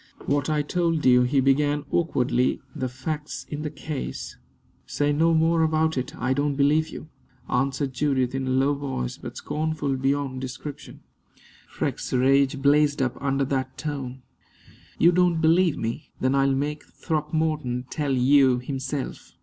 "What I told you," he began, awkwardly, "the facts in the case " "Say no more about it; I don't believe you!" answered Judith in a low voice, but scornful beyond description. Freke's rage blazed up under that tone. "You don't believe me? Then I'll make Throckmorton tell you himself.